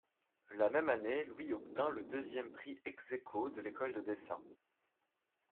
La même année, Louis obtint le deuxième prix ex-æquo de l'école de dessin.